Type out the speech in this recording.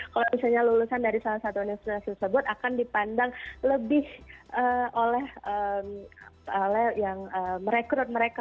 kalau misalnya lulusan dari salah satu universitas tersebut akan dipandang lebih oleh yang merekrut mereka